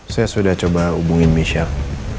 saya sudah coba hubungin michel